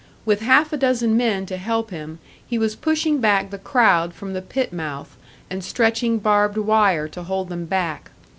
With half a dozen men to help him, he was pushing back the crowd from the pit mouth, and stretching barbed wired to hold them back.